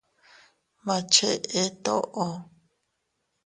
Ma cheʼe toʼo.